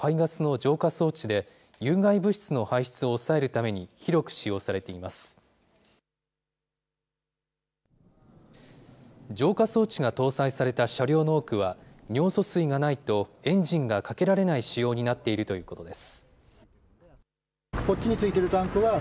浄化装置が搭載された車両の多くは、尿素水がないとエンジンがかけられない仕様になっているということです。